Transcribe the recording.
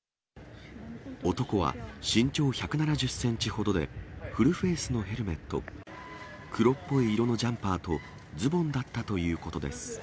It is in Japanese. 男は、身長１７０センチほどで、フルフェースのヘルメット、黒っぽい色のジャンパーとズボンだったということです。